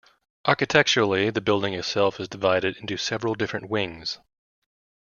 Architecturally, the building itself is divided into several different wings.